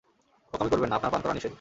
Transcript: বোকামি করবেন না, আপনার পান করা নিষেধ।